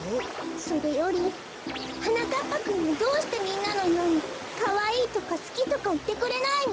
それよりはなかっぱくんはどうしてみんなのように「かわいい」とか「すき」とかいってくれないの？